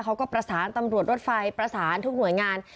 เขาก็ประสานตำรวจรถไฟประสานทุกหน่วยงาน